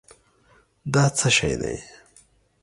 دا څه شی دی؟